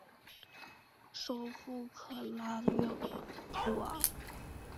首府克拉约瓦。